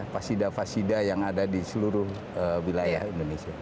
fasida fasida yang ada di seluruh wilayah indonesia